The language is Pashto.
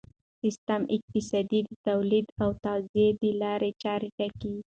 سیستم اقتصادي د تولید او توزیع د لارې چارې ټاکي.